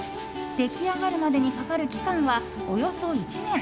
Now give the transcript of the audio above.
出来上がるまでにかかる期間はおよそ１年。